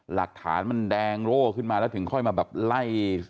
หลักฐานมันแดงโร่ขึ้นมาแล้วถึงค่อยมาแบบไล่